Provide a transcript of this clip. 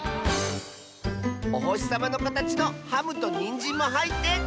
おほしさまのかたちのハムとにんじんもはいってかわいい！